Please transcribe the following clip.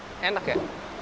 enggak enak ya